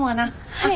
はい！